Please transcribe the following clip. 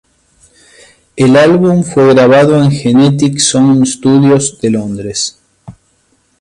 El álbum fue grabado en Genetic Sound Studios de Londres.